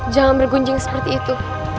jangan bergunjing seperti itu